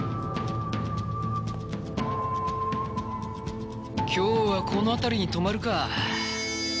今日はこの辺りに泊まるか。